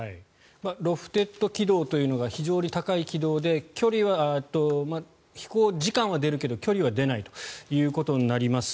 ロフテッド軌道というのが非常に高い軌道で飛行時間は出るけど、距離は出ないということになります。